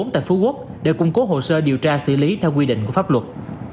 tại phú quốc để củng cố hồ sơ điều tra xử lý theo quy định của pháp luật